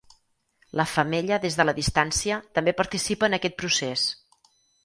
La femella, des de la distància, també participa en aquest procés.